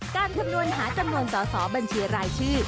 คำนวณหาจำนวนสอสอบัญชีรายชื่อ